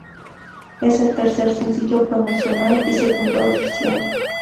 Es el tercer sencillo promocional y segundo oficial.